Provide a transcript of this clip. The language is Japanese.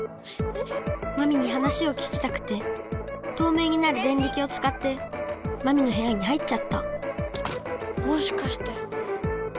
まみに話を聞きたくて透明になるデンリキをつかってまみのへやに入っちゃったもしかして。